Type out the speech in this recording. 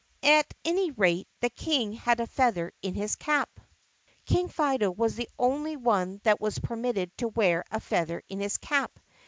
At any rate the King had a feather in his cap. (King Fido was the only one that was permitted to wear a feather in his cap.